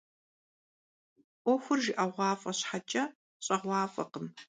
'uexur jjı'eğuaf'e şheç'e, ş'eğuaf'ekhım.